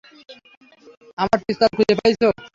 আমার পিস্তল খুঁজে পাইসো?